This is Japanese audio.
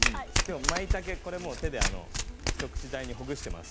きょうの食材、まいたけ手で一口大にほぐしています。